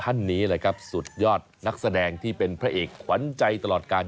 ท่านนี้แหละครับสุดยอดนักแสดงที่เป็นพระเอกขวัญใจตลอดการ